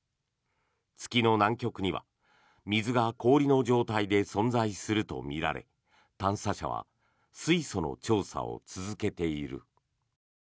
月の南極には水が氷の状態で存在するとみられ探査車は水素の調査を続けている。